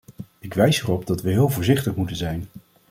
Ik wijs u erop dat we heel voorzichtig moeten zijn.